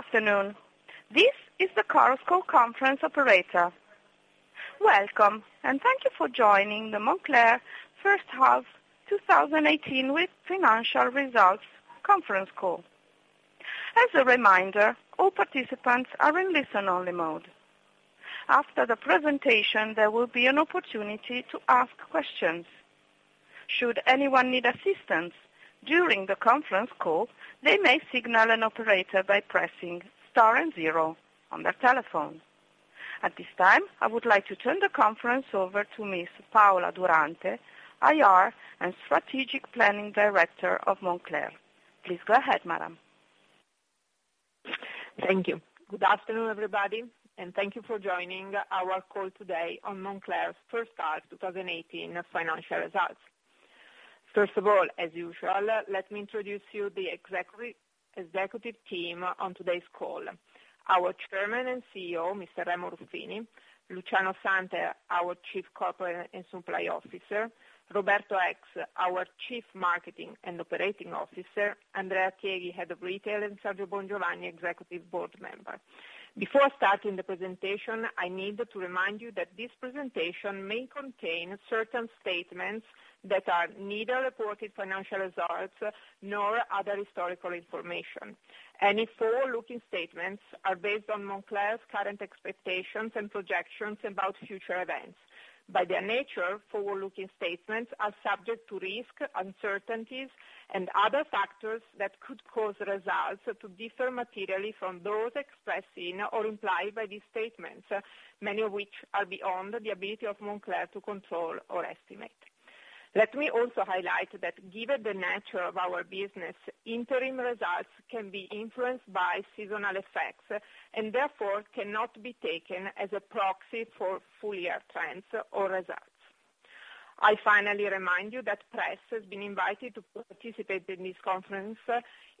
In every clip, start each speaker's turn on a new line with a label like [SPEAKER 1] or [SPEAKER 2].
[SPEAKER 1] Good afternoon. This is the Chorus Call Conference Operator. Welcome, and thank you for joining the Moncler first half 2018 with financial results conference call. As a reminder, all participants are in listen-only mode. After the presentation, there will be an opportunity to ask questions. Should anyone need assistance during the conference call, they may signal an operator by pressing star and zero on their telephone. At this time, I would like to turn the conference over to Ms. Paola Durante, IR and Strategic Planning Director of Moncler. Please go ahead, madam.
[SPEAKER 2] Thank you. Good afternoon, everybody, and thank you for joining our call today on Moncler's first half 2018 financial results. First of all, as usual, let me introduce you the executive team on today's call. Our Chairman and CEO, Mr. Remo Ruffini, Luciano Santel, our Chief Corporate and Supply Officer, Roberto Eggs, our Chief Marketing and Operating Officer, Andrea Tieghi, Head of Retail, and Sergio Buongiovanni, Executive Board Member. Before starting the presentation, I need to remind you that this presentation may contain certain statements that are neither reported financial results nor other historical information. Any forward-looking statements are based on Moncler's current expectations and projections about future events. By their nature, forward-looking statements are subject to risk, uncertainties, and other factors that could cause results to differ materially from those expressed in or implied by these statements, many of which are beyond the ability of Moncler to control or estimate. Let me also highlight that given the nature of our business, interim results can be influenced by seasonal effects and therefore cannot be taken as a proxy for full-year trends or results. I finally remind you that press has been invited to participate in this conference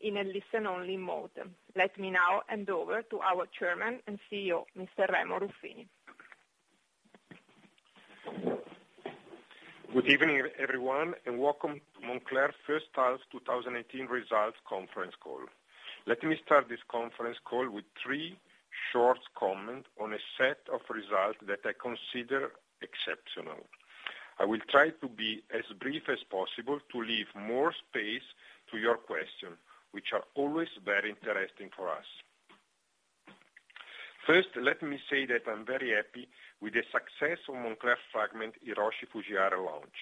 [SPEAKER 2] in a listen-only mode. Let me now hand over to our Chairman and CEO, Mr. Remo Ruffini.
[SPEAKER 3] Good evening, everyone, and welcome to Moncler's first half 2018 results conference call. Let me start this conference call with three short comments on a set of results that I consider exceptional. I will try to be as brief as possible to leave more space to your questions, which are always very interesting for us. First, let me say that I'm very happy with the success of Moncler Fragment Hiroshi Fujiwara launch.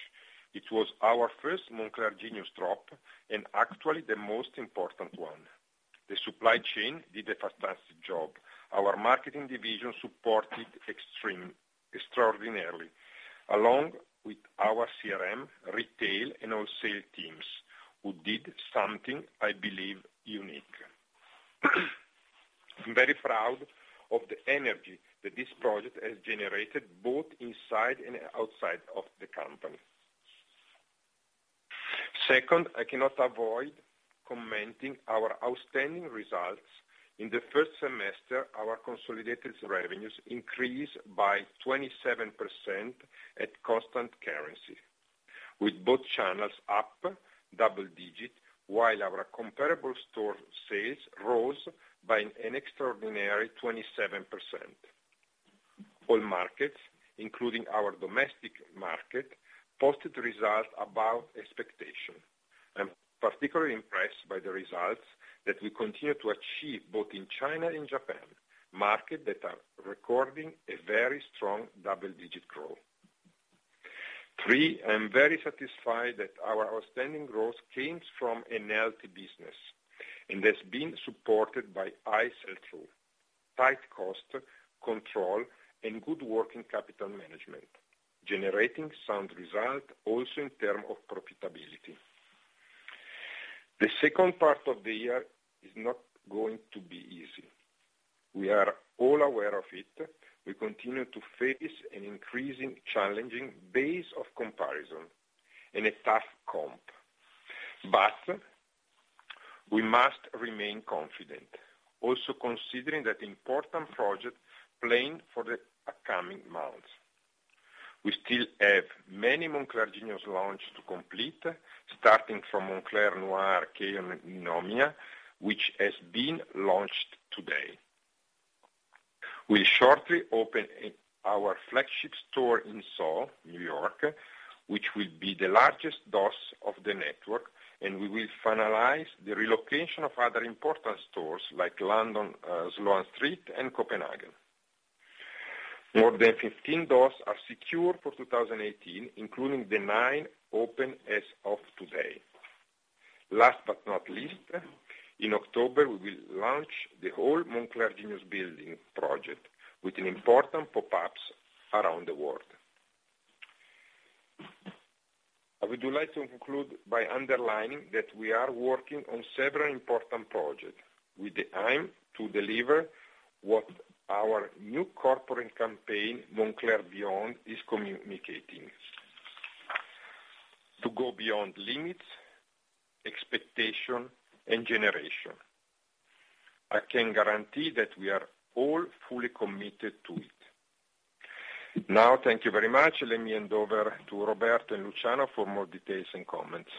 [SPEAKER 3] It was our first Moncler Genius drop and actually the most important one. The supply chain did a fantastic job. Our marketing division supported extraordinarily, along with our CRM, retail, and wholesale teams who did something, I believe, unique. Second, I cannot avoid commenting our outstanding results. In the first semester, our consolidated revenues increased by 27% at constant currency, with both channels up double-digit, while our comparable store sales rose by an extraordinary 27%. All markets, including our domestic market, posted results above expectation. I'm particularly impressed by the results that we continue to achieve both in China and Japan, markets that are recording a very strong double-digit growth. I'm very satisfied that our outstanding growth came from a healthy business, and has been supported by high sell-through, tight cost control, and good working capital management, generating sound result also in terms of profitability. The second part of the year is not going to be easy. We are all aware of it. We continue to face an increasing challenging base of comparison and a tough comp. We must remain confident, also considering that important project planned for the upcoming months. We still have many Moncler Genius launches to complete, starting from Moncler Noir Kei Ninomiya, which has been launched today. We'll shortly open our flagship store in SoHo, N.Y., which will be the largest doors of the network, and we will finalize the relocation of other important stores like London, Sloane Street, and Copenhagen. More than 15 doors are secure for 2018, including the nine open as of today. Last but not least, in October, we will launch the whole Moncler Genius building project with important pop-ups around the world. I would like to conclude by underlining that we are working on several important projects with the aim to deliver what our new corporate campaign, Moncler Beyond, is communicating. To go beyond limits, expectation, and generation. I can guarantee that we are all fully committed to it. Now, thank you very much. Let me hand over to Roberto and Luciano for more details and comments.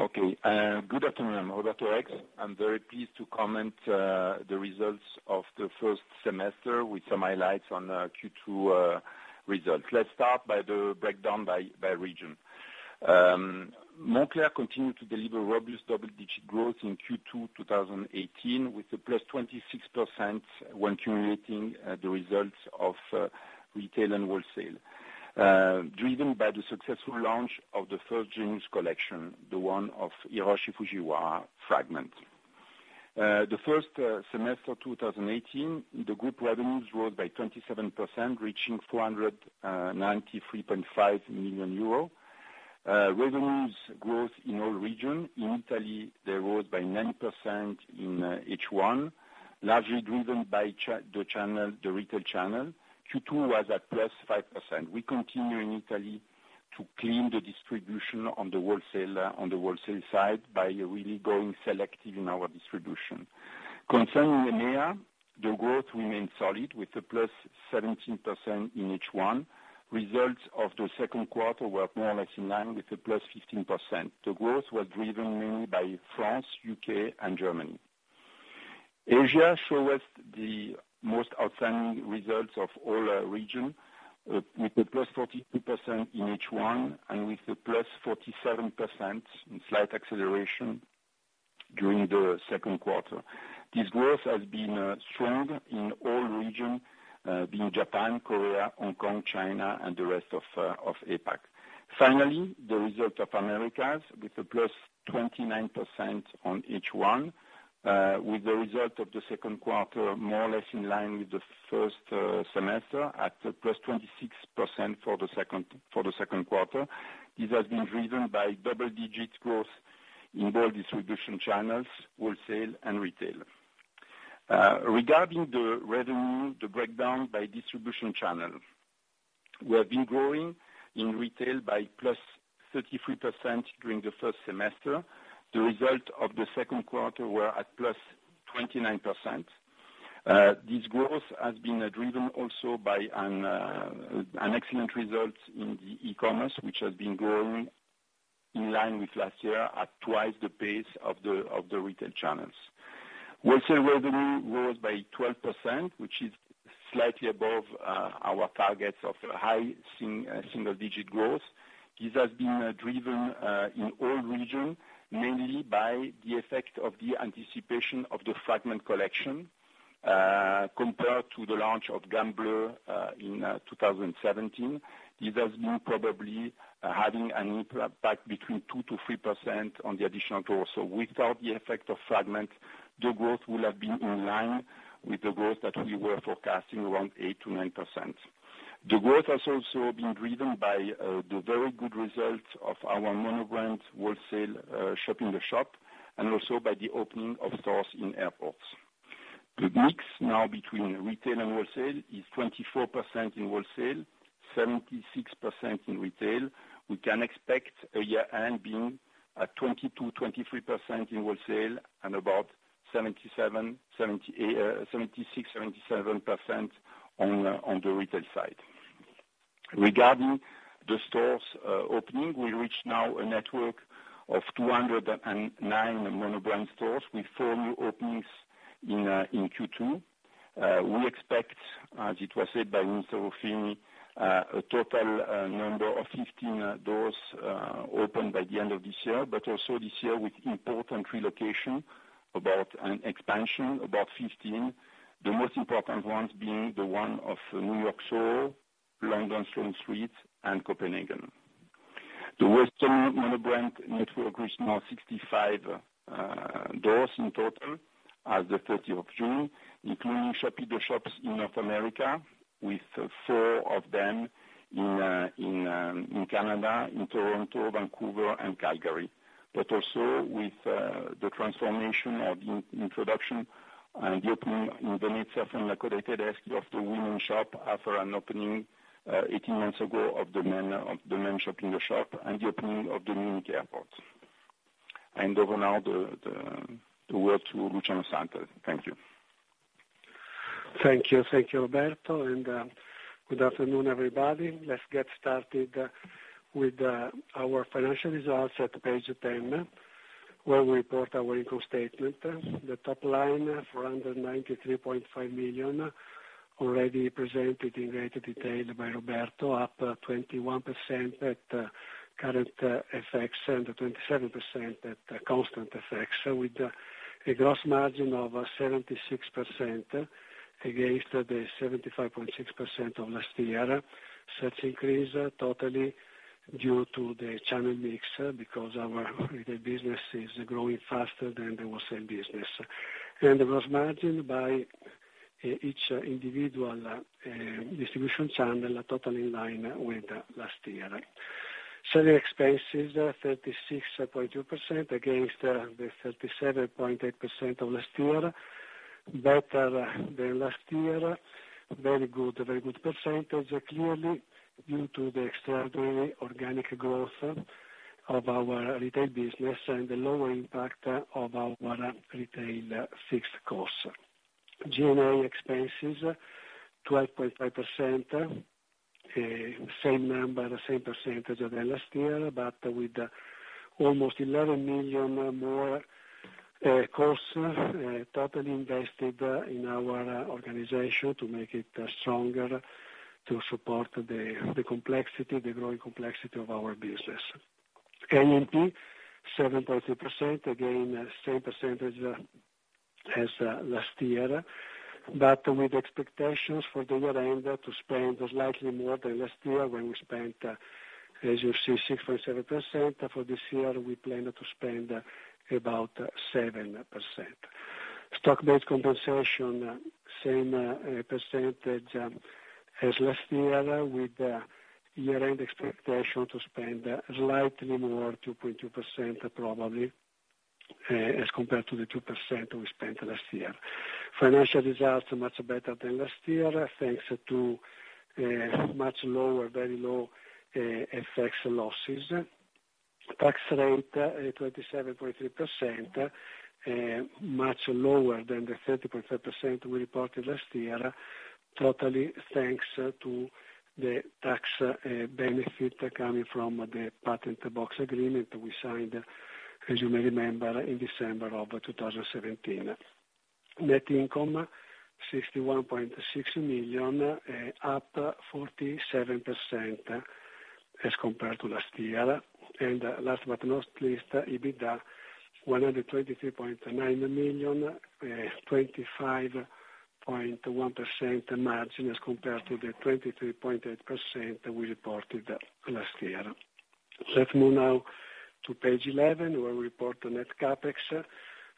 [SPEAKER 4] Okay. Good afternoon. I'm Roberto Eggs. I'm very pleased to comment on the results of the first semester with some highlights on Q2 results. Let's start by the breakdown by region. Moncler continued to deliver robust double-digit growth in Q2 2018, with a +26% when accumulating the results of retail and wholesale, driven by the successful launch of the first Genius collection, the one of Hiroshi Fujiwara Fragment. The first semester of 2018, the group revenues rose by 27%, reaching 493.5 million euro. Revenues growth in all region. In Italy, they rose by 9% in H1, largely driven by the retail channel. Q2 was at +5%. We continue in Italy to clean the distribution on the wholesale side by really going selective in our distribution. Concerning EMEIA, the growth remains solid with a +17% in H1. Results of the second quarter were more or less in line with a +15%. The growth was driven mainly by France, U.K. and Germany. Asia show us the most outstanding results of all region, with a +42% in H1 and with a +47%, a slight acceleration during the second quarter. This growth has been strong in all region, being Japan, Korea, Hong Kong, China, and the rest of APAC. Finally, the result of Americas with a +29% on H1, with the result of the second quarter more or less in line with the first semester at +26% for the second quarter. This has been driven by double-digit growth in both distribution channels, wholesale and retail. Regarding the revenue, the breakdown by distribution channel. We have been growing in retail by +33% during the first semester. The result of the second quarter were at +29%. This growth has been driven also by an excellent result in the e-commerce, which has been growing in line with last year at twice the pace of the retail channels. Wholesale revenue rose by 12%, which is slightly above our targets of high single-digit growth. This has been driven in all regions, mainly by the effect of the anticipation of the Fragment collection, compared to the launch of Grenoble in 2017. This has been probably having an impact between 2%-3% on the additional growth. Without the effect of Fragment, the growth would have been in line with the growth that we were forecasting around 8%-9%. The growth has also been driven by the very good results of our Moncler wholesale shop-in-the-shop, and also by the opening of stores in airports. The mix now between retail and wholesale is 24% in wholesale, 76% in retail. We can expect a year-end being at 22%-23% in wholesale and about 76%-77% on the retail side. Regarding the stores opening, we reach now a network of 209 Moncler stores with four new openings in Q2. We expect, as it was said by Remo Ruffini, a total number of 15 doors open by the end of this year, but also this year with important relocation, about an expansion, about 15. The most important ones being the one of New York SoHo, London Sloane Street, and Copenhagen. The Western Moncler network reached now 65 doors in total as of the 30th of June, including shop-in-the-shops in North America with four of them in Canada, in Toronto, Vancouver, and Calgary. Also with the transformation of the introduction and the opening in the Neiman Marcus of the women shop after an opening 18 months ago of the men shop-in-the-shop, and the opening of the Munich Airport. I hand over now the work to Luciano Santel. Thank you.
[SPEAKER 5] Thank you. Thank you, Roberto, and good afternoon, everybody. Let's get started with our financial results at page 10, where we report our income statement. The top line, 493.5 million, already presented in great detail by Roberto, up 21% at current FX and 27% at constant FX, with a gross margin of 76% against the 75.6% of last year. Such increase totally due to the channel mix because our retail business is growing faster than the wholesale business. The gross margin by each individual distribution channel are totally in line with last year. Selling expenses are 36.2% against the 37.8% of last year. Better than last year. Very good percentage, clearly due to the extraordinary organic growth of our retail business and the lower impact of our retail fixed costs. G&A expenses 12.5%, same number, same percentage as last year, but with almost 11 million more costs totally invested in our organization to make it stronger to support the growing complexity of our business. Marketing costs, 7.2%, again, same percentage as last year, but with expectations for the year end to spend slightly more than last year when we spent, as you see, 6.7%. For this year, we plan to spend about 7%. Stock-based compensation, same percentage as last year with year-end expectation to spend slightly more, 2.2% probably, as compared to the 2% we spent last year. Financial results are much better than last year, thanks to much lower, very low FX losses. Tax rate 27.3%, much lower than the 30.5% we reported last year, totally thanks to the tax benefit coming from the patent box agreement we signed, as you may remember, in December of 2017. Net income 61.6 million, up 47% as compared to last year. Last but not least, EBITDA 123.9 million, 25.1% margin as compared to the 23.8% we reported last year. Let's move now to page 11 where we report the net CapEx.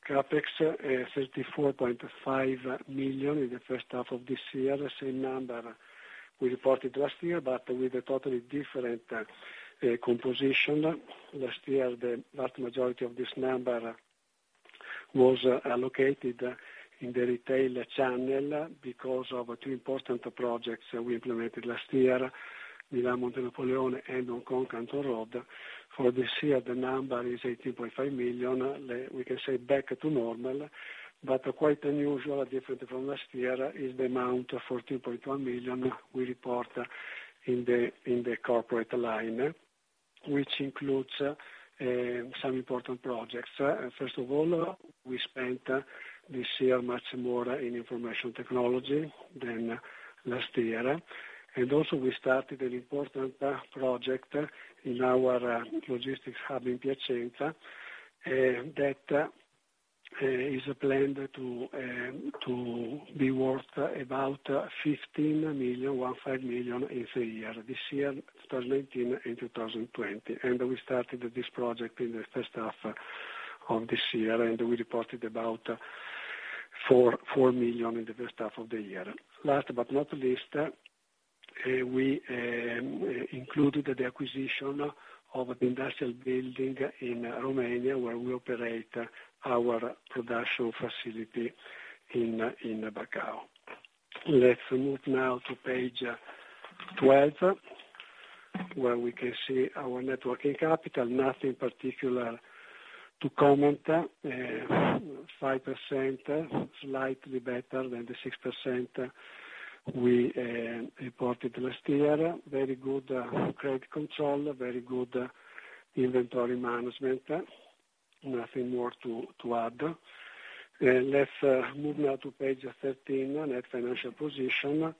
[SPEAKER 5] CapEx 34.5 million in the first half of this year, the same number we reported last year, but with a totally different composition. Last year, the vast majority of this number was allocated in the retail channel because of two important projects we implemented last year, Milan Monte Napoleone and Hong Kong Canton Road. For this year, the number is 18.5 million, we can say back to normal, but quite unusual, different from last year, is the amount 14.1 million we report in the corporate line, which includes some important projects. First of all, we spent this year much more in information technology than last year. Also we started an important project in our logistics hub in Piacenza, that is planned to be worth about 15 million in three year, this year, 2019, and 2020. We started this project in the first half of this year, and we reported about 4 million in the first half of the year. Last but not least, we included the acquisition of the industrial building in Romania, where we operate our production facility in Bacău. Let's move now to page 12, where we can see our net working capital. Nothing particular to comment. 5%, slightly better than the 6% we reported last year. Very good credit control, very good inventory management. Nothing more to add. Let's move now to page 13, net financial position,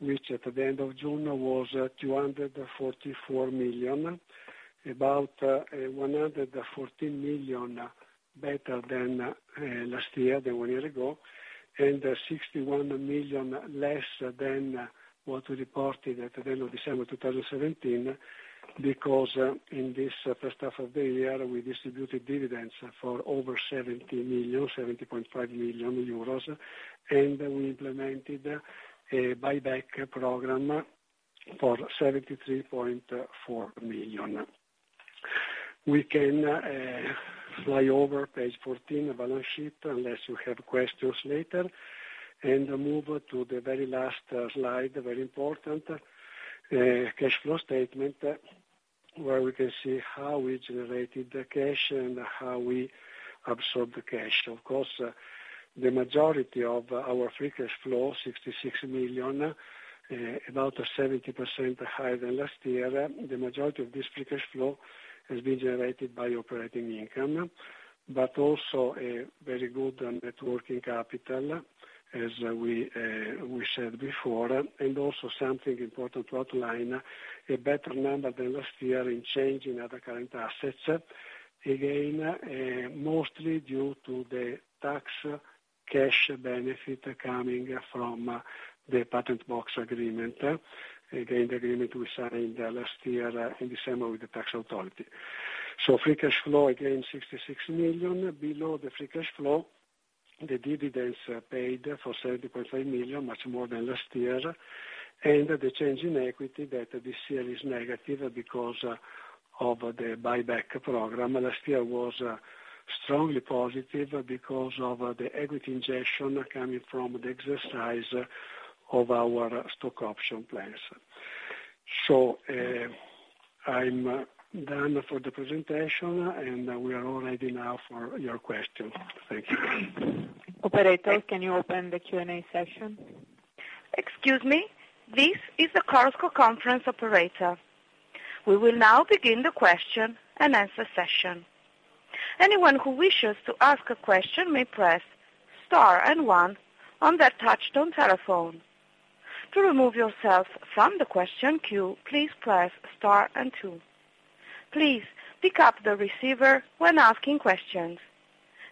[SPEAKER 5] which at the end of June was 244 million, about 114 million better than last year, than one year ago, and 61 million less than what we reported at the end of December 2017, because in this first half of the year, we distributed dividends for over 70 million, 70.5 million euros, and we implemented a buyback program for 73.4 million. We can fly over page 14, balance sheet, unless you have questions later, and move to the very last slide, very important, cash flow statement, where we can see how we generated the cash and how we absorbed the cash. Of course, the majority of our free cash flow, 66 million, about 70% higher than last year. The majority of this free cash flow has been generated by operating income, also a very good net working capital, as we said before. Also something important to outline, a better number than last year in change in other current assets. Again, mostly due to the tax cash benefit coming from the patent box agreement. Again, the agreement we signed last year in December with the tax authority. Free cash flow, again, 66 million. Below the free cash flow The dividends paid for 70.5 million, much more than last year, and the change in equity that this year is negative because of the buyback program. Last year was strongly positive because of the equity injection coming from the exercise of our stock option plans. I'm done for the presentation, and we are all ready now for your questions. Thank you.
[SPEAKER 6] Operator, can you open the Q&A session?
[SPEAKER 1] Excuse me. This is the Chorus Call Conference Operator. We will now begin the question-and-answer session. Anyone who wishes to ask a question may press star and one on their touch-tone telephone. To remove yourself from the question queue, please press star and two. Please pick up the receiver when asking questions.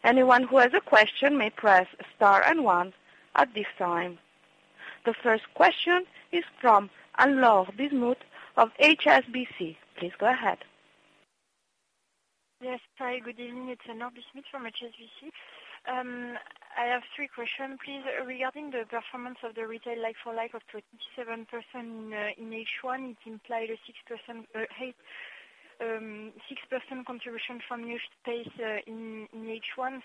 [SPEAKER 1] Anyone who has a question may press star and one at this time. The first question is from Anne-Laure Bismuth of HSBC. Please go ahead.
[SPEAKER 7] Yes. Hi, good evening. It's Anne-Laure Bismuth from HSBC. I have three questions, please. Regarding the performance of the retail like-for-like of 27% in H1, it implied a 6% contribution from new space in H1.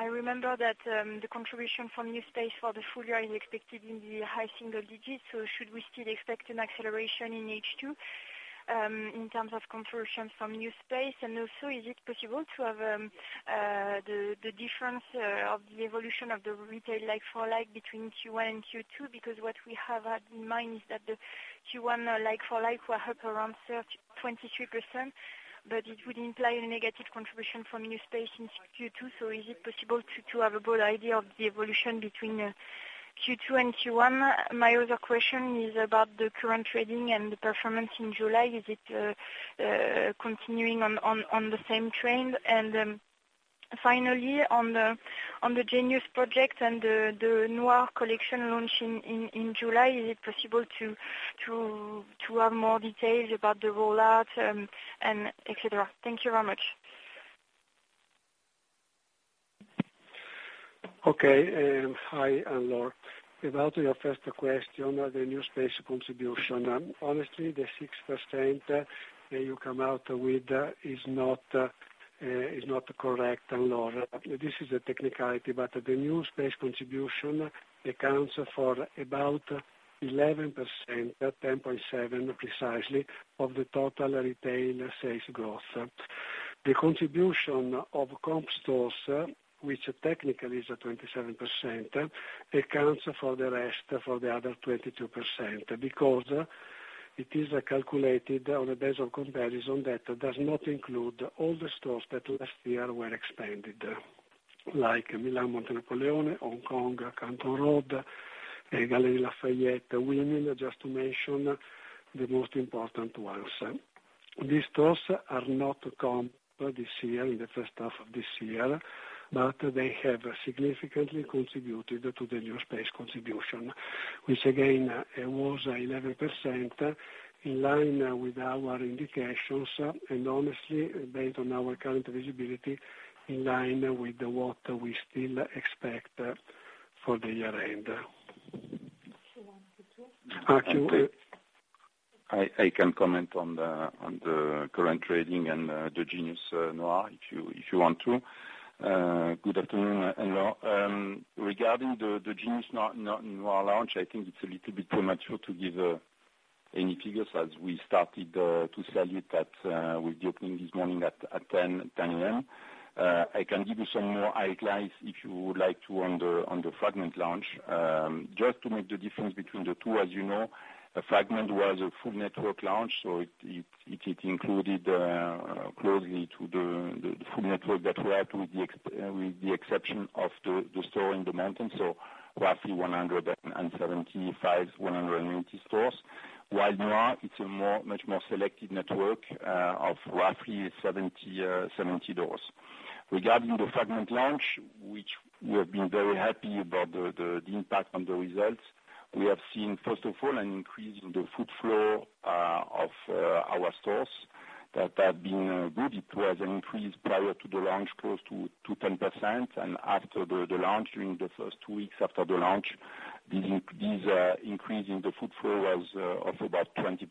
[SPEAKER 7] I remember that the contribution from new space for the full year is expected in the high single digits. Should we still expect an acceleration in H2 in terms of contributions from new space? Also, is it possible to have the difference of the evolution of the retail like-for-like between Q1 and Q2? What we have had in mind is that the Q1 like-for-like were up around 23%, it would imply a negative contribution from new space in Q2. Is it possible to have a broad idea of the evolution between Q2 and Q1? My other question is about the current trading and the performance in July. Is it continuing on the same trend? Finally, on the Genius project and the Noir collection launch in July, is it possible to have more details about the rollout and et cetera? Thank you very much.
[SPEAKER 5] Okay. Hi, Anne-Laure. About your first question, the new space contribution. Honestly, the 6% that you come out with is not correct, Anne-Laure. This is a technicality, the new space contribution accounts for about 11%, 10.7% precisely, of the total retail sales growth. The contribution of comp stores, which technically is at 27%, accounts for the rest, for the other 22%, it is calculated on a base of comparison that does not include all the stores that last year were expanded, like Milan Monte Napoleone, Hong Kong, Canton Road, and Galeries Lafayette. We mean just to mention the most important ones. These stores are not comp this year, in the first half of this year, they have significantly contributed to the new space contribution, which again, was 11%, in line with our indications and honestly, based on our current visibility, in line with what we still expect for the year-end.
[SPEAKER 6] Q1, Q2.
[SPEAKER 5] Q-
[SPEAKER 4] I can comment on the current trading and the Genius Noir, if you want to. Good afternoon, Anne-Laure Bismuth. Regarding the Genius Noir launch, I think it's a little bit premature to give any figures as we started to sell it with the opening this morning at 10:00 A.M. I can give you some more highlights if you would like to, on the Fragment launch. Just to make the difference between the two, as you know, Fragment was a full network launch, so it included closely to the full network that we have with the exception of the store in the mountain, so roughly 175, 180 stores. Noir, it's a much more selected network of roughly 70 stores. Regarding the Fragment launch, which we have been very happy about the impact on the results. We have seen, first of all, an increase in the foot flow of our stores that have been good. It was an increase prior to the launch close to 10%, and after the launch, during the first two weeks after the launch, this increase in the foot flow was of about 20%.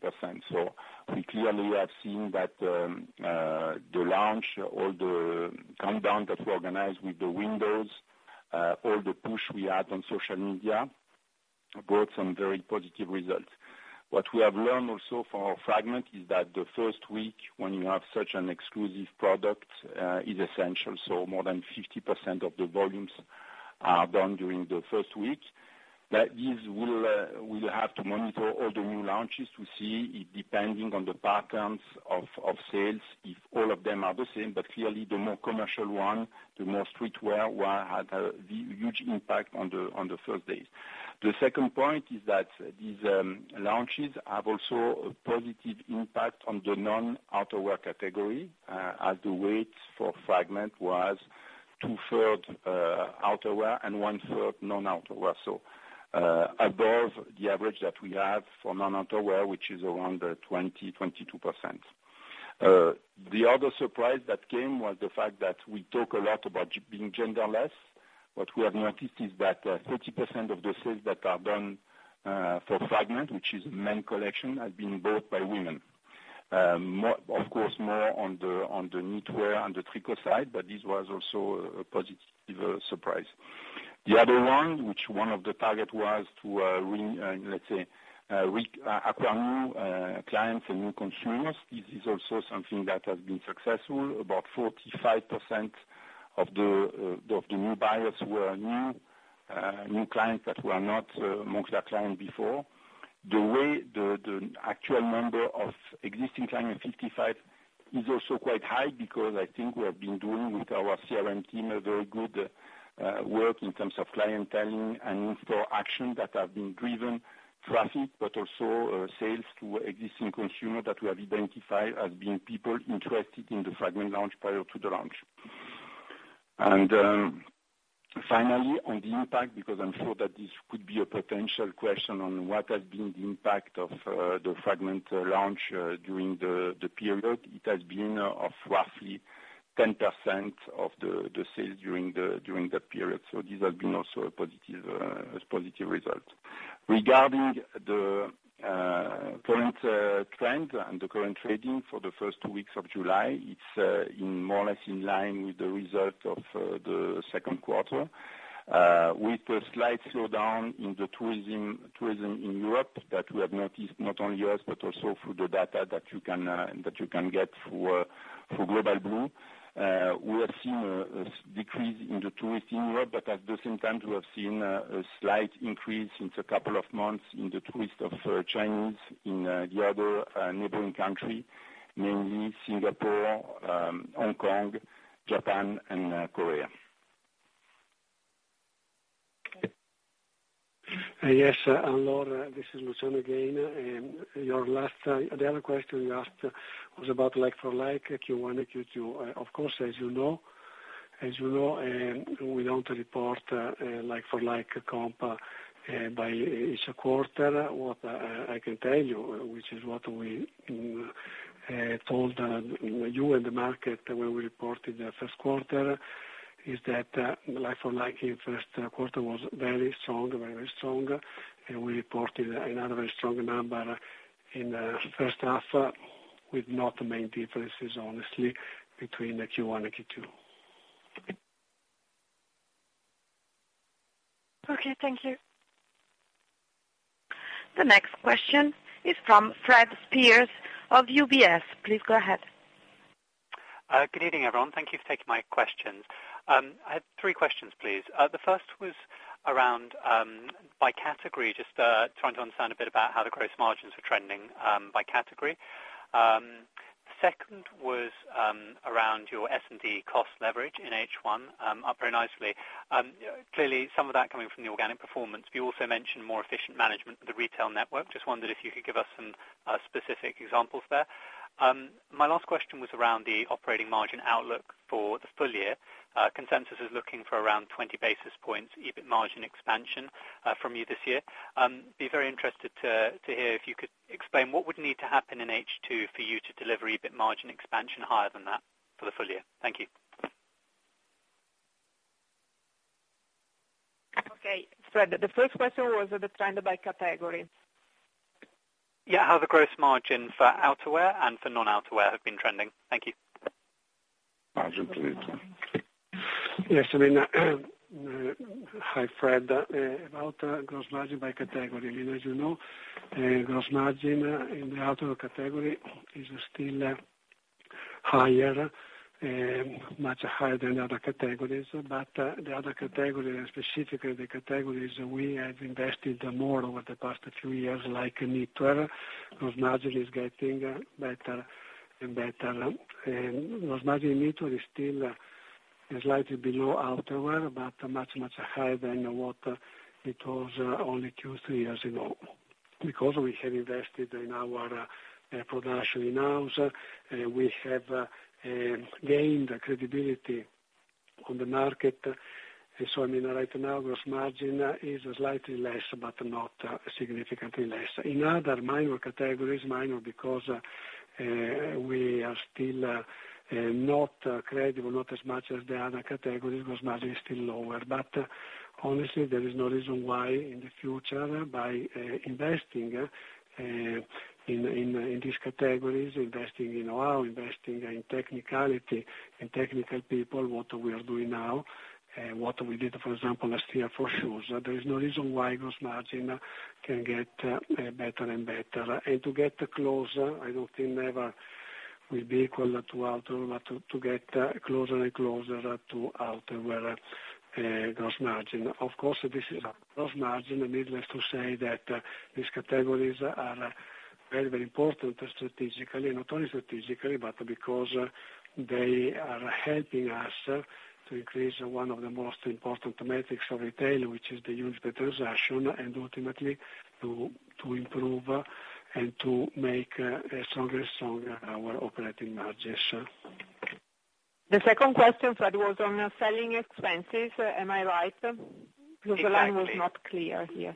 [SPEAKER 4] We clearly have seen that the launch or the countdown that we organized with the windows, all the push we had on social media, brought some very positive results. What we have learned also from Fragment is that the first week when you have such an exclusive product is essential. More than 50% of the volumes are done during the first week. That means we will have to monitor all the new launches to see, depending on the patterns of sales, if all of them are the same. Clearly the more commercial one, the more streetwear one had a huge impact on the first days. The second point is that these launches have also a positive impact on the non-outerwear category, as the weight for Fragment was two-third outerwear and one-third non-outerwear. Above the average that we have for non-outerwear, which is around 20%-22%. The other surprise that came was the fact that we talk a lot about being genderless. What we have noticed is that 30% of the sales that are done for Fragment, which is a main collection, have been bought by women. Of course, more on the knitwear, on the tricot side, but this was also a positive surprise. The other one, which one of the target was to acquire new clients and new consumers, this is also something that has been successful. About 45% of the new buyers were new clients that were not Moncler clients before. The actual number of existing clients, 55, is also quite high because I think we have been doing, with our CRM team, a very good work in terms of clienteling and in-store action that have been driven traffic, but also sales to existing consumer that we have identified as being people interested in the Fragment launch prior to the launch. Finally, on the impact, because I'm sure that this could be a potential question on what has been the impact of the Fragment launch during the period. It has been of roughly 10% of the sales during that period. This has been also a positive result. Regarding the current trend and the current trading for the first two weeks of July, it's more or less in line with the result of the second quarter. With a slight slowdown in the tourism in Europe that we have noticed, not only us, but also through the data that you can get through Global Blue. We have seen a decrease in the tourist in Europe, but at the same time, we have seen a slight increase since a couple of months in the tourist of Chinese in the other neighboring country, mainly Singapore, Hong Kong, Japan and Korea.
[SPEAKER 5] Yes, Anne-Laure, this is Luciano again. The other question you asked was about like for like Q1 and Q2. Of course, as you know, we don't report like for like comp by each quarter. What I can tell you, which is what we told you and the market when we reported the first quarter, is that like for like in first quarter was very strong. We reported another very strong number in the first half, with not many differences, honestly, between the Q1 and Q2.
[SPEAKER 7] Okay, thank you.
[SPEAKER 1] The next question is from Frederick Pierce of UBS. Please go ahead.
[SPEAKER 8] Good evening, everyone. Thank you for taking my questions. I have three questions, please. The first was around by category, just trying to understand a bit about how the gross margins are trending by category. Second was around your S&D cost leverage in H1, up very nicely. Clearly, some of that coming from the organic performance. You also mentioned more efficient management of the retail network. Just wondered if you could give us some specific examples there. My last question was around the operating margin outlook for the full year. Consensus is looking for around 20 basis points EBIT margin expansion from you this year. Be very interested to hear if you could explain what would need to happen in H2 for you to deliver EBIT margin expansion higher than that for the full year. Thank you.
[SPEAKER 6] Okay. Fred, the first question was the trend by category.
[SPEAKER 8] Yeah, how the gross margin for outerwear and for non-outerwear have been trending. Thank you.
[SPEAKER 5] Margin, please. Yes, hi, Fred. About gross margin by category. As you know, gross margin in the outerwear category is still much higher than the other categories. The other category, and specifically the categories we have invested more over the past few years, like knitwear, gross margin is getting better and better. Gross margin in knitwear is still slightly below outerwear, but much higher than what it was only two, three years ago. Because we have invested in our production in-house, we have gained credibility on the market. So, right now, gross margin is slightly less, but not significantly less. In other minor categories, minor because we are still not credible, not as much as the other categories, gross margin is still lower. Honestly, there is no reason why, in the future, by investing in these categories, investing in technicality, in technical people, what we are doing now, what we did, for example, last year for shoes, there is no reason why gross margin can get better and better. To get close, I don't think never will be equal to outerwear, but to get closer and closer to outerwear gross margin. Of course, this is a gross margin, needless to say that these categories are very important strategically, and not only strategically, but because they are helping us to increase one of the most important metrics of retail, which is the units per transaction, and ultimately to improve and to make stronger our operating margins.
[SPEAKER 6] The second question, Fred, was on selling expenses. Am I right?
[SPEAKER 8] Exactly.
[SPEAKER 6] The line was not clear here.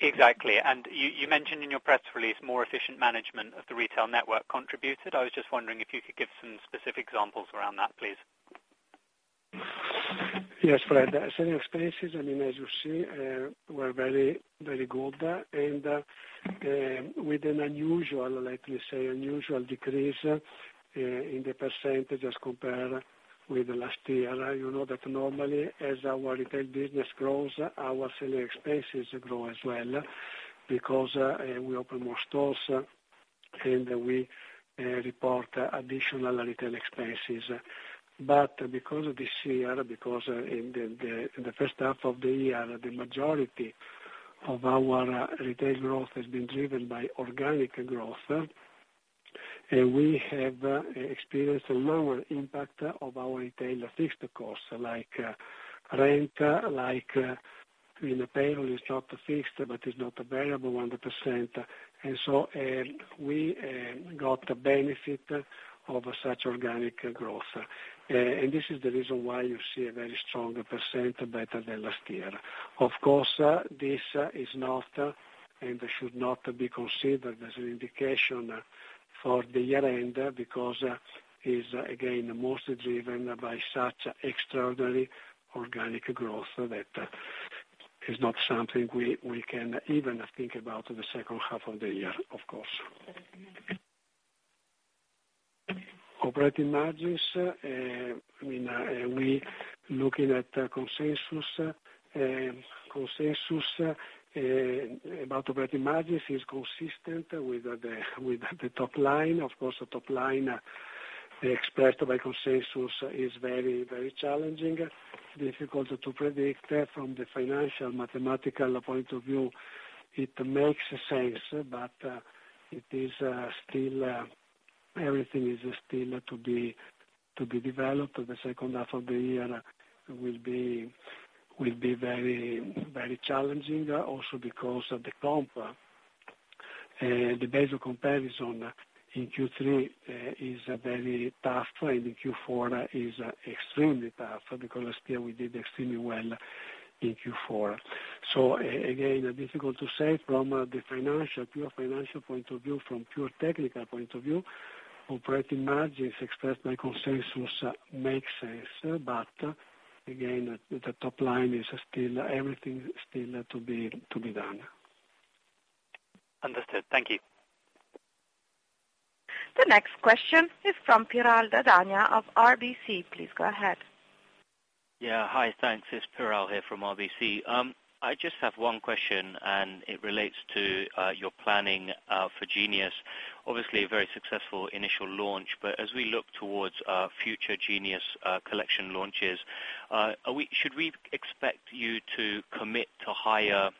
[SPEAKER 8] Exactly. You mentioned in your press release, more efficient management of the retail network contributed. I was just wondering if you could give some specific examples around that, please.
[SPEAKER 5] Yes, Fred. Selling expenses, as you see, were very good, and with an unusual decrease in the percentage as compared with last year. You know that normally as our retail business grows, our selling expenses grow as well because we open more stores, and we report additional retail expenses. Because this year, in the first half of the year, the majority of our retail growth has been driven by organic growth, and we have experienced a lower impact of our retail fixed costs like rent, like payroll is not fixed but is not a variable 100%. So we got the benefit of such organic growth. This is the reason why you see a very strong % better than last year. Of course, this is not, and should not be considered as an indication for the year end, because it's again, mostly driven by such extraordinary organic growth that is not something we can even think about in the second half of the year, of course. Operating margins. Looking at consensus about operating margins is consistent with the top line. Of course, the top line expressed by consensus is very challenging, difficult to predict. From the financial mathematical point of view, it makes sense. Everything is still to be developed. The second half of the year will be very challenging. Because of the comp. The base of comparison in Q3 is very tough, and in Q4 is extremely tough because last year we did extremely well in Q4. Again, difficult to say from the financial point of view, from pure technical point of view, operating margins expressed by consensus make sense. Again, the top line, everything's still to be done.
[SPEAKER 8] Understood. Thank you.
[SPEAKER 1] The next question is from Piral Dadhania of RBC. Please go ahead.
[SPEAKER 9] Yeah. Hi, thanks. It's Piral here from RBC. I just have one question, and it relates to your planning for Genius. Obviously, a very successful initial launch, but as we look towards future Genius collection launches, should we expect you to commit to higher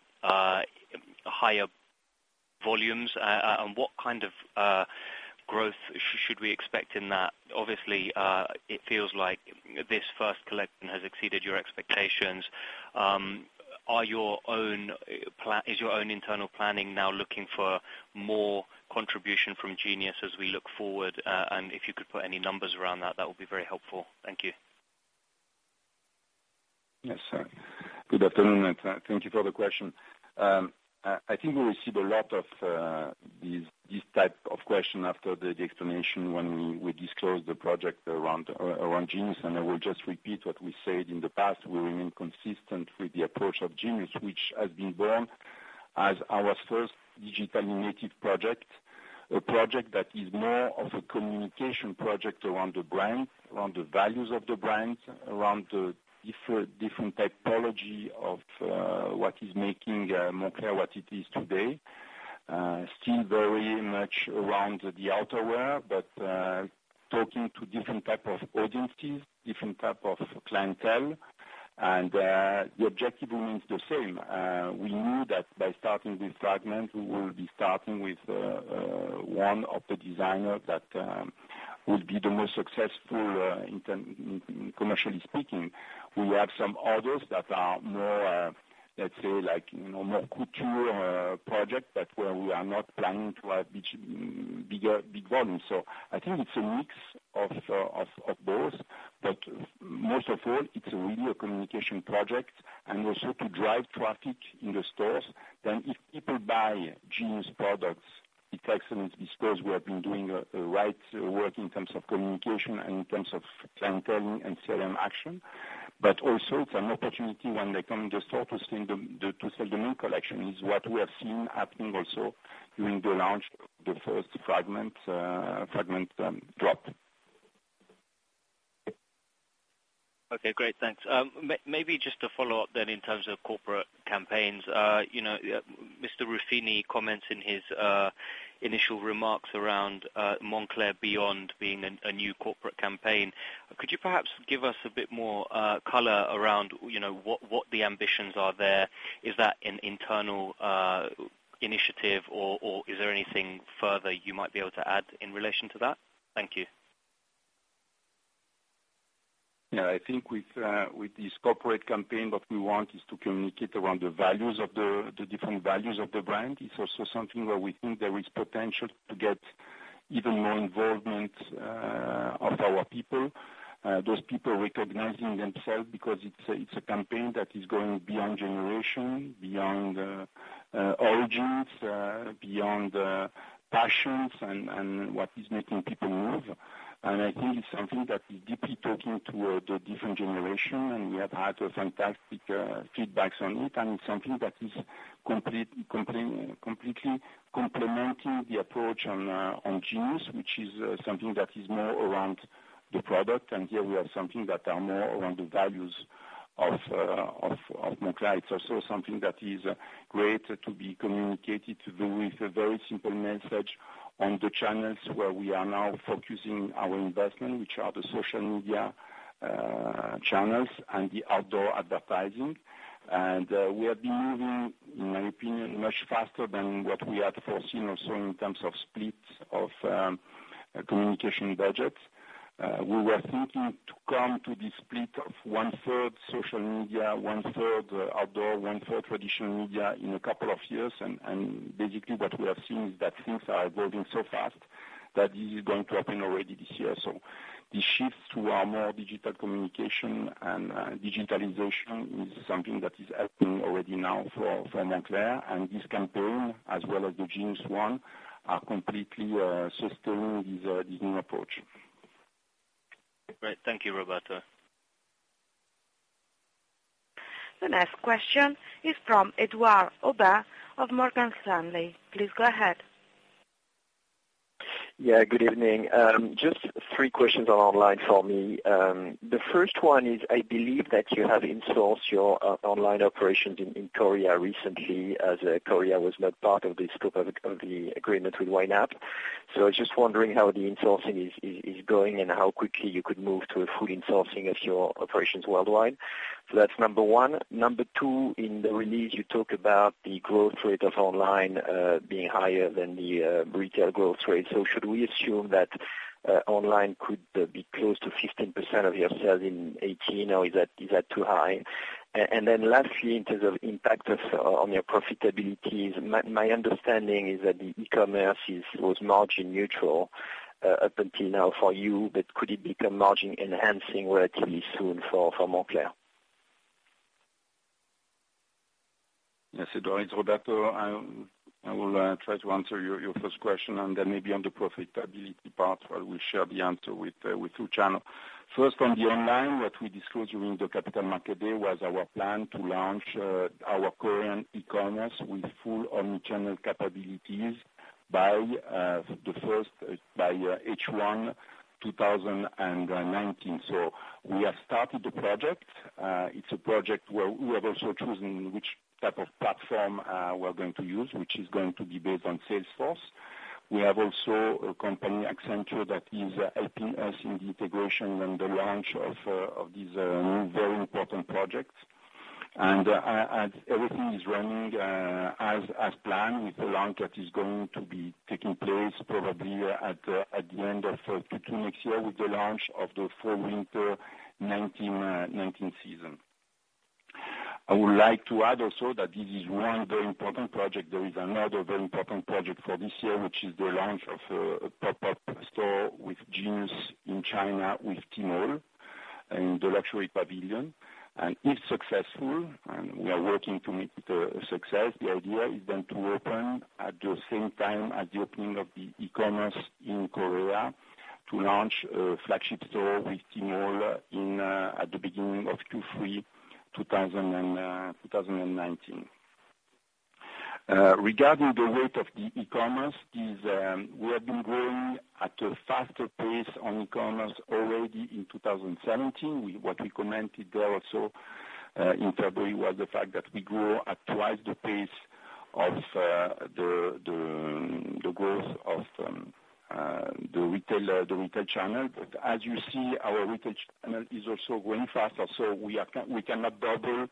[SPEAKER 9] volumes? What kind of growth should we expect in that? Obviously, it feels like this first collection has exceeded your expectations. Is your own internal planning now looking for more contribution from Genius as we look forward? If you could put any numbers around that would be very helpful. Thank you.
[SPEAKER 4] Yes, sir. Good afternoon, and thank you for the question. I think we receive a lot of these type of question after the explanation when we disclose the project around Genius, and I will just repeat what we said in the past. We remain consistent with the approach of Genius, which has been born as our first digitally native project, a project that is more of a communication project around the brand, around the values of the brand, around the different typology of what is making Moncler what it is today. Still very much around the outer wear, but talking to different type of audiences, different type of clientele, and the objective remains the same. We knew that by starting this Fragment, we will be starting with one of the designer that will be the most successful, commercially speaking.
[SPEAKER 5] We have some others that are more couture project, but where we are not planning to have big volume. I think it's a mix of both, but most of all, it's really a communication project and also to drive traffic in the stores. If people buy Genius products, it's excellent because we have been doing a right work in terms of communication, in terms of clienteling and CRM action. Also it's an opportunity when they come in the store to sell the new collection, is what we have seen happening also during the launch of the first Fragment drop.
[SPEAKER 9] Okay, great. Thanks. Maybe just to follow up then in terms of corporate campaigns. Mr. Ruffini comments in his initial remarks around Moncler Beyond being a new corporate campaign. Could you perhaps give us a bit more color around what the ambitions are there? Is that an internal initiative, or is there anything further you might be able to add in relation to that? Thank you.
[SPEAKER 4] I think with this corporate campaign, what we want is to communicate around the different values of the brand. It's also something where we think there is potential to get even more involvement of our people, those people recognizing themselves because it's a campaign that is going beyond generation, beyond origins, beyond passions, and what is making people move. I think it's something that is deeply talking to the different generation, and we have had fantastic feedbacks on it. It's something that is completely complementing the approach on Genius, which is something that is more around the product. Here, we have something that are more around the values of Moncler. It's also something that is great to be communicated to do with a very simple message on the channels where we are now focusing our investment, which are the social media channels and the outdoor advertising. We have been moving, in my opinion, much faster than what we had foreseen also in terms of splits of communication budgets. We were thinking to come to this split of one-third social media, one-third outdoor, one-third traditional media in a couple of years. Basically, what we have seen is that things are evolving so fast that this is going to happen already this year. The shift to a more digital communication and digitalization is something that is happening already now for Moncler. This campaign, as well as the Genius one, are completely sustaining this new approach.
[SPEAKER 9] Great. Thank you, Roberto.
[SPEAKER 1] The next question is from Edouard Aubin of Morgan Stanley. Please go ahead.
[SPEAKER 10] Yeah, good evening. Just three questions on online for me. The first one is, I believe that you have in-sourced your online operations in Korea recently, as Korea was not part of the scope of the agreement with YNAP. I was just wondering how the in-sourcing is going and how quickly you could move to a full in-sourcing of your operations worldwide. That's number 1. Number 2, in the release, you talk about the growth rate of online being higher than the retail growth rate. Should we assume that online could be close to 15% of your sales in 2018, or is that too high? And then lastly, in terms of impact on your profitability, my understanding is that the e-commerce was margin neutral up until now for you. Could it become margin enhancing relatively soon for Moncler?
[SPEAKER 4] Yes, Edouard, it's Roberto. I will try to answer your first question, and then maybe on the profitability part, I will share the answer with two channel. First, from the online, what we disclosed during the Capital Markets Day was our plan to launch our Korean e-commerce with full omni-channel capabilities by H1 2019. We have started the project. It's a project where we have also chosen which type of platform we're going to use, which is going to be based on Salesforce. We have also a company, Accenture, that is helping us in the integration and the launch of these new very important projects. Everything is running as planned, with the launch that is going to be taking place probably at the end of Q2 next year with the launch of the fall/winter 2019 season. I would like to add also that this is one very important project. There is another very important project for this year, which is the launch of a pop-up store with Genius in China, with Tmall in the Luxury Pavilion. If successful, and we are working to make it a success, the idea is then to open at the same time as the opening of the e-commerce in Korea to launch a flagship store with Tmall at the beginning of Q3 2019. Regarding the weight of the e-commerce, we have been growing at a faster pace on e-commerce already in 2017. What we commented there also in February was the fact that we grew at twice the pace of the growth of the retail channel. As you see, our retail channel is also growing faster. We cannot double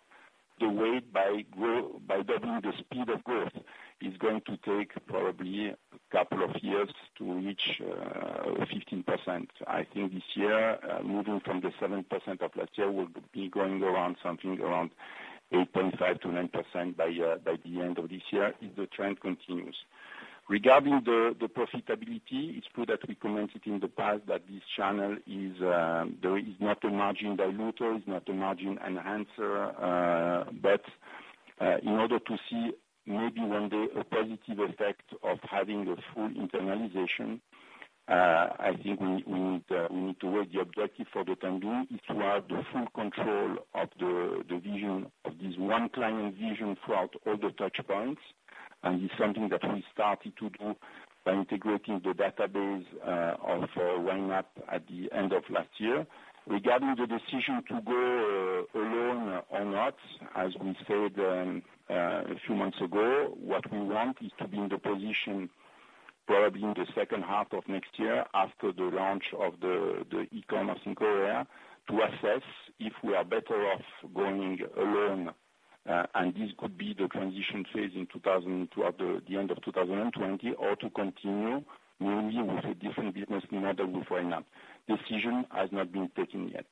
[SPEAKER 4] the weight by doubling the speed of growth. It's going to take probably a couple of years to reach 15%. I think this year, moving from the 7% of last year, we'll be going around something around 8.5%-9% by the end of this year if the trend continues. Regarding the profitability, it's true that we commented in the past that this channel is not a margin dilutor, is not a margin enhancer. In order to see maybe one day a positive effect of having a full internalization, I think we need to work. The objective for the time being is to have the full control of the vision of this one client vision throughout all the touchpoints, and it's something that we started to do by integrating the database of YNAP at the end of last year. Regarding the decision to go alone or not, as we said a few months ago, what we want is to be in the position, probably in the second half of next year after the launch of the e-commerce in Korea, to assess if we are better off going alone, and this could be the transition phase at the end of 2020 or to continue maybe with a different business model with YNAP. Decision has not been taken yet.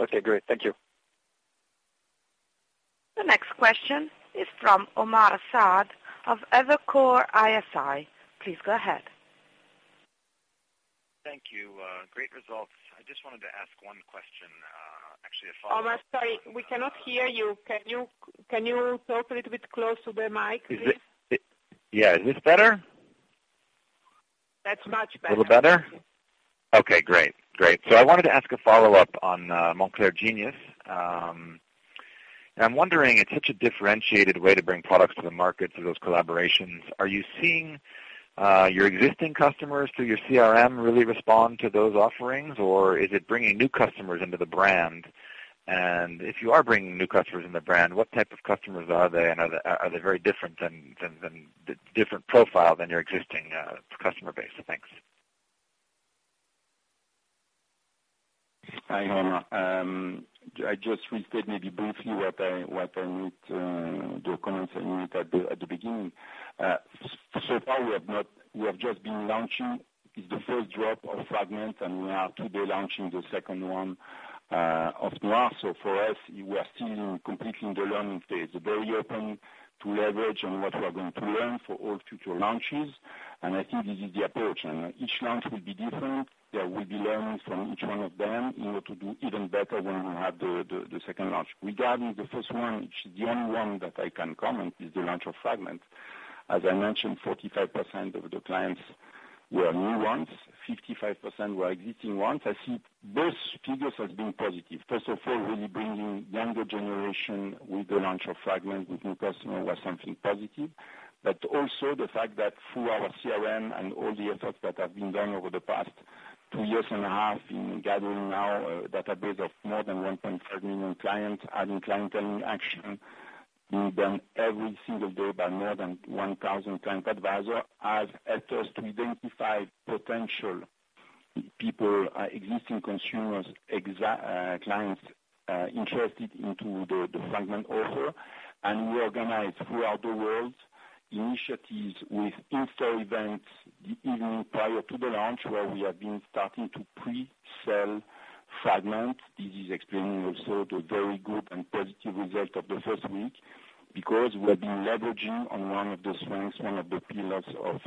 [SPEAKER 10] Okay, great. Thank you.
[SPEAKER 1] The next question is from Omar Saad of Evercore ISI. Please go ahead.
[SPEAKER 11] Thank you. Great results. I just wanted to ask one question. Actually, a follow-up.
[SPEAKER 6] Omar, sorry, we cannot hear you. Can you talk a little bit close to the mic, please?
[SPEAKER 11] Yeah, is this better?
[SPEAKER 6] That's much better.
[SPEAKER 11] Little better? Okay, great. I wanted to ask a follow-up on Moncler Genius. I'm wondering, it's such a differentiated way to bring products to the market through those collaborations. Are you seeing your existing customers through your CRM really respond to those offerings, or is it bringing new customers into the brand? If you are bringing new customers in the brand, what type of customers are they, and are they very different profile than your existing customer base? Thanks.
[SPEAKER 4] Hi, Omar. I just restate maybe briefly what I need to comment at the beginning. Far we have just been launching. It's the first drop of Fragment, we are today launching the second one, of Noir. For us, we are still completely in the learning phase. Very open to leverage on what we are going to learn for all future launches, I think this is the approach. Each launch will be different, there will be learnings from each one of them in order to do even better when we have the second launch. Regarding the first launch, the only one that I can comment is the launch of Fragment. As I mentioned, 45% of the clients were new ones, 55% were existing ones. I see both figures as being positive. First of all, really bringing younger generation with the launch of Fragment, with new customer, was something positive. Also the fact that through our CRM and all the efforts that have been done over the past two years and a half in gathering now a database of more than 1.5 million clients, adding clienteling action being done every single day by more than 1,000 client advisors, has helped us to identify potential people, existing consumers, clients interested into the Fragment offer. We organize throughout the world initiatives with in-store events the evening prior to the launch, where we have been starting to pre-sell Fragment. This is explaining also the very good and positive result of the first week, because we have been leveraging on one of the strengths, one of the pillars of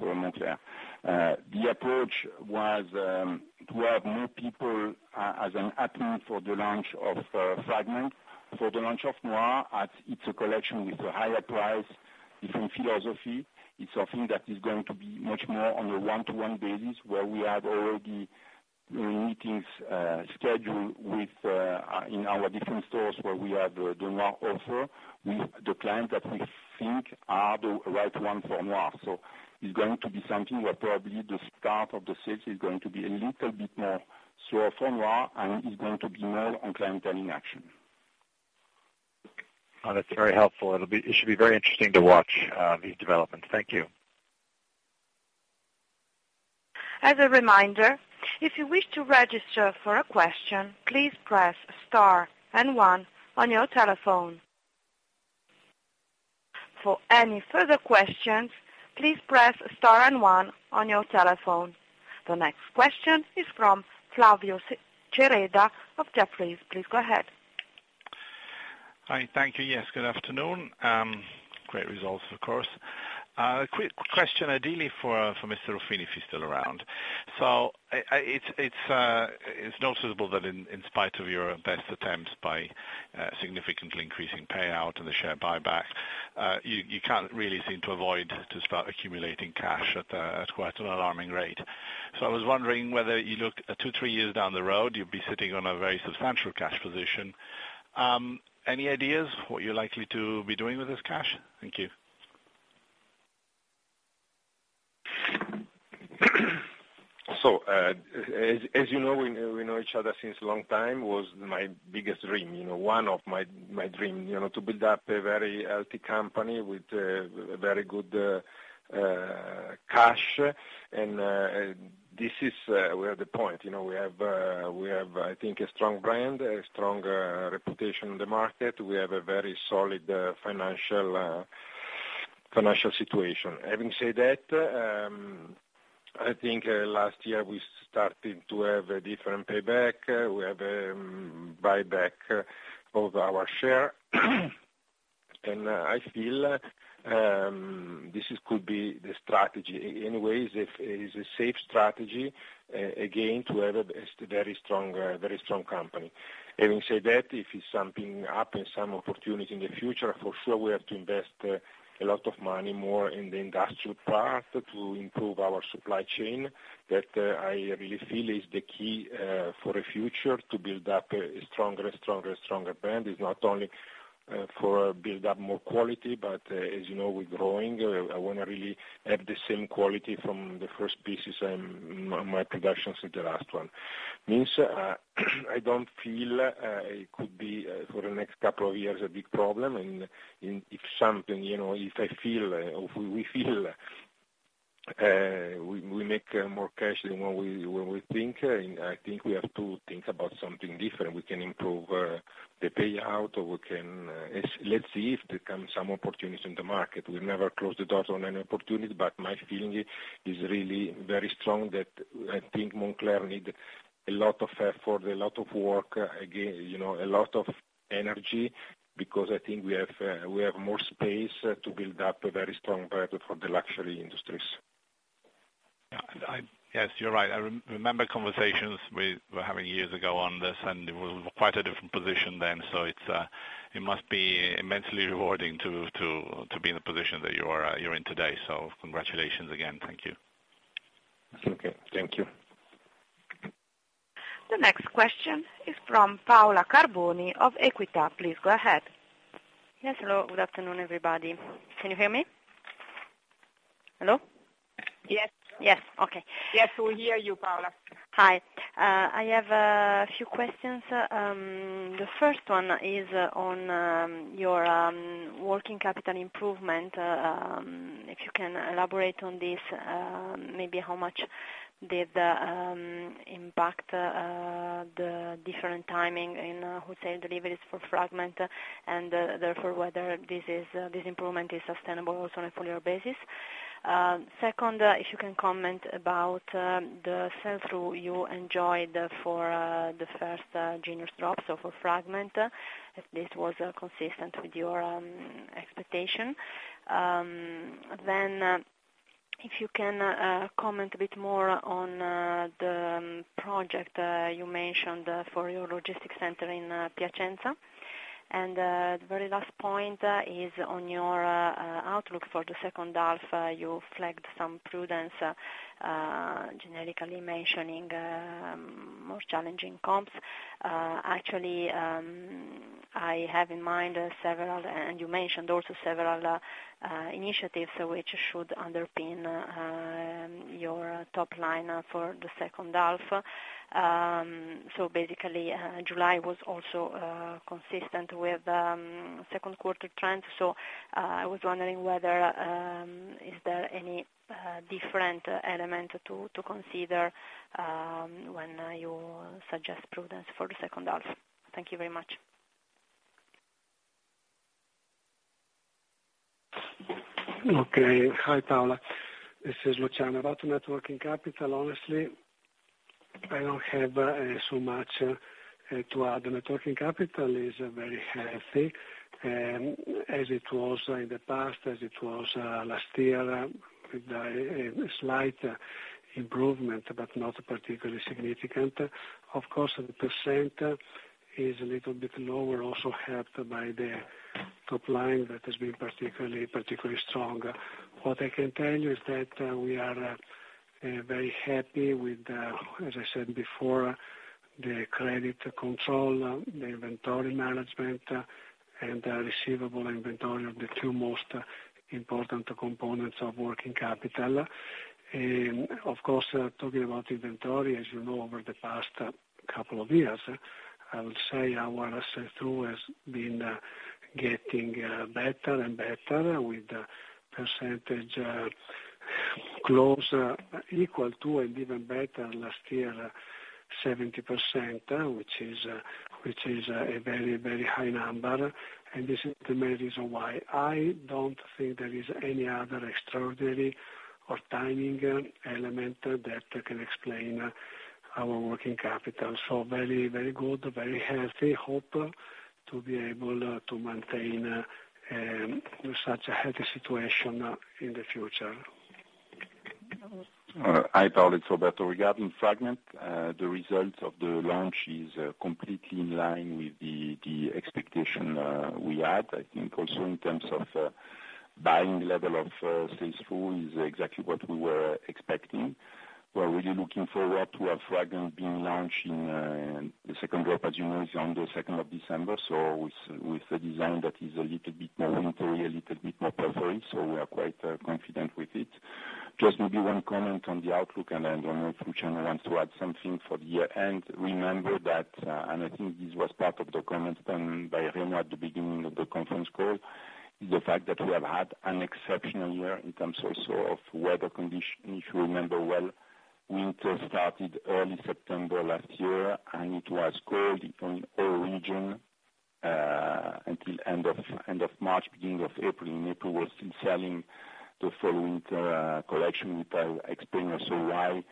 [SPEAKER 4] Moncler. The approach was to have more people as an in for the launch of Fragment. For the launch of Noir, it's a collection with a higher price, different philosophy. It's something that is going to be much more on a one-to-one basis, where we have already meetings scheduled in our different stores where we have the Noir offer with the clients that we think are the right one for Noir. It's going to be something where probably the start of the sales is going to be a little bit more slow for Noir, and it's going to be more on clienteling action.
[SPEAKER 11] That's very helpful. It should be very interesting to watch these developments. Thank you.
[SPEAKER 1] As a reminder, if you wish to register for a question, please press star and one on your telephone. For any further questions, please press star and one on your telephone. The next question is from Flavio Cereda of Jefferies. Please go ahead.
[SPEAKER 12] Hi. Thank you. Yes, good afternoon. Great results, of course. Quick question ideally for Mr. Ruffini, if he's still around. It's noticeable that in spite of your best attempts by significantly increasing payout and the share buyback, you can't really seem to avoid to start accumulating cash at quite an alarming rate. I was wondering whether you look two, three years down the road, you'd be sitting on a very substantial cash position. Any ideas what you're likely to be doing with this cash? Thank you.
[SPEAKER 3] As you know, we know each other since a long time. It was my biggest dream, one of my dream, to build up a very healthy company with a very good cash and we are at the point. We have, I think, a strong brand, a strong reputation in the market. We have a very solid financial situation. Having said that, I think last year we started to have a different buyback. We have buyback of our share. I feel this could be the strategy. Anyway, it's a safe strategy, again, to have a very strong company. Having said that, if it's something happen, some opportunity in the future, for sure, we have to invest a lot of money more in the industrial part to improve our supply chain. That, I really feel, is the key for the future to build up a stronger brand. It's not only for build up more quality, but as you know, we're growing. I want to really have the same quality from the first pieces, my productions with the last one. Means, I don't feel it could be, for the next couple of years, a big problem and if something, if we feel We make more cash than what we think. I think we have to think about something different. We can improve the payout, or let's see if there come some opportunities in the market. We never close the door on any opportunity, but my feeling is really very strong that I think Moncler need a lot of effort, a lot of work, a lot of energy, because I think we have more space to build up a very strong brand for the luxury industries.
[SPEAKER 12] Yes, you're right. I remember conversations we were having years ago on this, It was quite a different position then. It must be immensely rewarding to be in the position that you're in today. Congratulations again. Thank you.
[SPEAKER 3] Okay, thank you.
[SPEAKER 1] The next question is from Paola Carboni of Equita. Please go ahead.
[SPEAKER 13] Yes, hello. Good afternoon, everybody. Can you hear me? Hello?
[SPEAKER 1] Yes.
[SPEAKER 13] Yes. Okay.
[SPEAKER 1] Yes, we hear you, Paola.
[SPEAKER 13] Hi. I have a few questions. The first one is on your working capital improvement. If you can elaborate on this, maybe how much did the impact the different timing in wholesale deliveries for Fragment and therefore whether this improvement is sustainable also on a full year basis. Second, if you can comment about the sell-through you enjoyed for the first Genius drop, so for Fragment, if this was consistent with your expectation. Then, if you can comment a bit more on the project you mentioned for your logistic center in Piacenza. The very last point is on your outlook for the second half. You flagged some prudence, generically mentioning more challenging comps. Actually, I have in mind several, and you mentioned also several initiatives which should underpin your top line for the second half. Basically, July was also consistent with second quarter trend. I was wondering whether, is there any different element to consider when you suggest prudence for the second half? Thank you very much.
[SPEAKER 5] Okay. Hi, Paola. This is Luciano. About networking capital, honestly, I don't have so much to add. The networking capital is very healthy, as it was in the past, as it was last year, with a slight improvement, but not particularly significant. Of course, the % is a little bit lower, also helped by the top line that has been particularly strong. What I can tell you is that we are very happy with, as I said before, the credit control, the inventory management, and the receivable inventory are the two most important components of working capital. Of course, talking about inventory, as you know, over the past couple of years, I would say our sell-through has been getting better and better with the % close equal to and even better last year, 70%, which is a very high number. This is the main reason why I don't think there is any other extraordinary or timing element that can explain our working capital. Very good, very healthy. Hope to be able to maintain such a healthy situation in the future.
[SPEAKER 4] Hi, Paola. It's Roberto. Regarding Fragment, the result of the launch is completely in line with the expectation we had. I think also in terms of buying level of sell-through is exactly what we were expecting. We're really looking forward to our Fragment being launched in the second drop, as you know, is on the 2nd of December, with a design that is a little bit more wintery, a little bit more puffery, we are quite confident with it. Just maybe one comment on the outlook, I don't know if Luciano wants to add something for the year-end. Remember that, I think this was part of the comments done by Remo at the beginning of the conference call, is the fact that we have had an exceptional year in terms also of weather condition. If you remember well, winter started early September last year, it was cold in all region, until end of March, beginning of April. In April, we're still selling the fall/winter collection, which I'll explain also why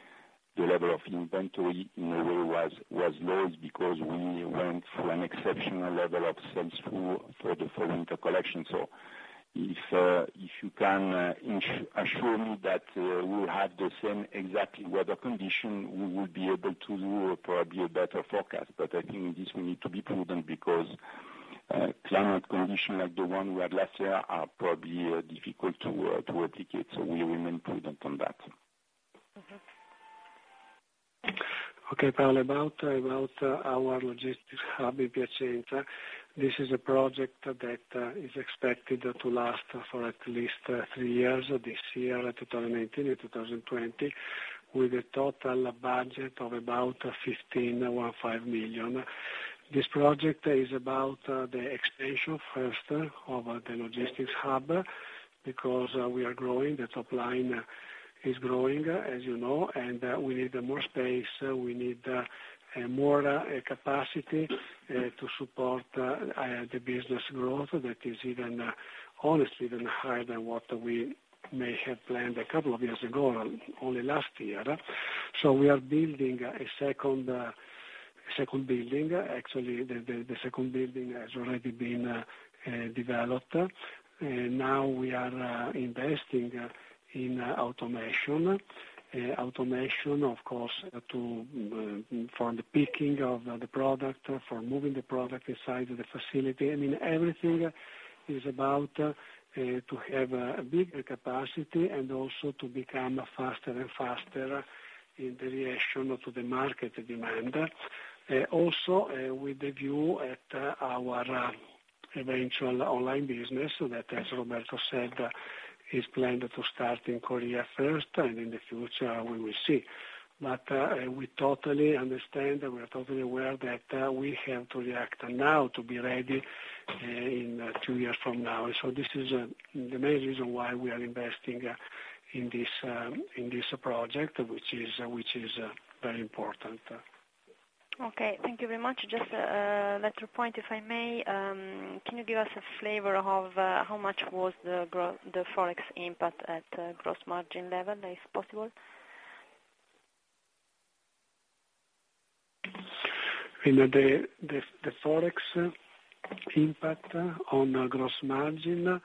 [SPEAKER 4] the level of inventory in a way was low is because we went through an exceptional level of sell-through for the fall/winter collection. If you can assure me that we will have the same exact weather condition, we will be able to do probably a better forecast. I think in this we need to be prudent because climate condition like the one we had last year are probably difficult to replicate. We remain prudent on that.
[SPEAKER 5] Okay, Paola, about our logistics hub in Piacenza. This is a project that is expected to last for at least three years, this year, 2019, and 2020, with a total budget of about 15.15 million. This project is about the expansion first of the logistics hub, because we are growing. The top line is growing, as you know, we need more space. We need more capacity to support the business growth that is honestly even higher than what we may have planned a couple of years ago, only last year. We are building a second building. Actually, the second building has already been developed. Now we are investing in automation. Automation, of course, for the picking of the product, for moving the product inside the facility. Everything is about to have a bigger capacity and also to become faster and faster in the reaction to the market demand. With a view at our eventual online business that, as Roberto said, is planned to start in Korea first, and in the future, we will see. We totally understand and we are totally aware that we have to react now to be ready in two years from now. This is the main reason why we are investing in this project, which is very important.
[SPEAKER 13] Okay. Thank you very much. Just that point, if I may, can you give us a flavor of how much was the Forex impact at the gross margin level, if possible?
[SPEAKER 5] The Forex impact on gross margin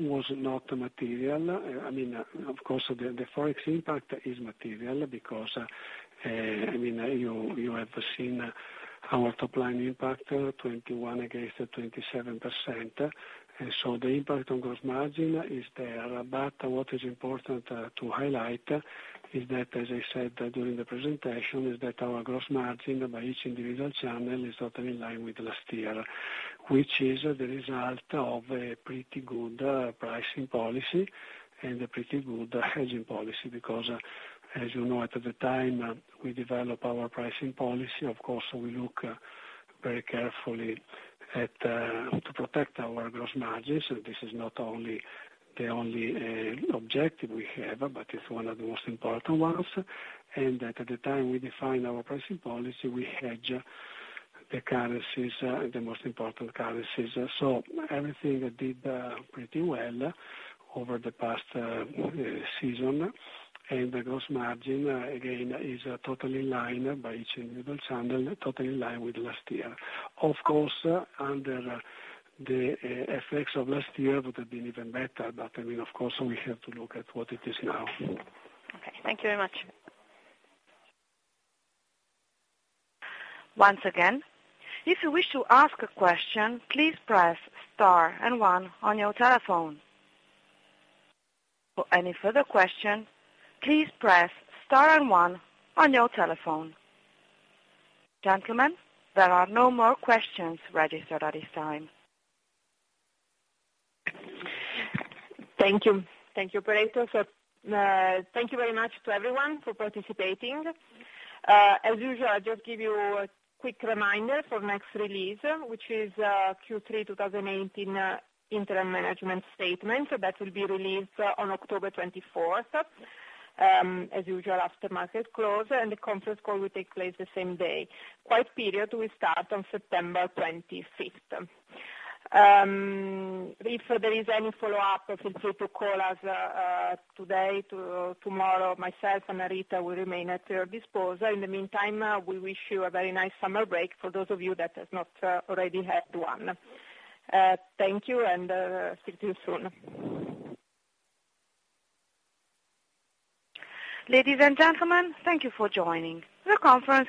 [SPEAKER 5] was not material. The Forex impact is material because you have seen our top-line impact, 21 against 27%. The impact on gross margin is there. What is important to highlight is that, as I said during the presentation, is that our gross margin by each individual channel is totally in line with last year. This is the result of a pretty good pricing policy and a pretty good hedging policy, because as you know, at the time we develop our pricing policy, of course, we look very carefully to protect our gross margins. This is not the only objective we have, but it's one of the most important ones. At the time we define our pricing policy, we hedge the most important currencies. Everything did pretty well over the past season, and the gross margin, again, is totally in line by each individual channel, totally in line with last year. Under the effects of last year, would have been even better. Of course, we have to look at what it is now.
[SPEAKER 13] Okay. Thank you very much.
[SPEAKER 1] Once again, if you wish to ask a question, please press star and one on your telephone. For any further question, please press star and one on your telephone. Gentlemen, there are no more questions registered at this time.
[SPEAKER 2] Thank you. Thank you, operator. Thank you very much to everyone for participating. As usual, I'll just give you a quick reminder for next release, which is Q3 2018 interim management statement. That will be released on October 24th, as usual, after market close, and the conference call will take place the same day. Quiet period will start on September 25th. If there is any follow-up, feel free to call us today. Tomorrow, myself and Anita will remain at your disposal. In the meantime, we wish you a very nice summer break, for those of you that have not already had one. Thank you, and speak to you soon.
[SPEAKER 1] Ladies and gentlemen, thank you for joining. The conference